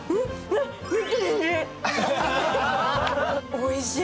おいしい！